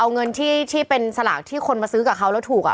เอาเงินที่เป็นสลากที่คนมาซื้อกับเขาแล้วถูก